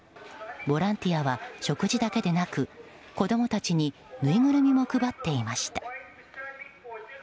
ボランティアは食事だけでなく子供たちにぬいぐるみも配っていました。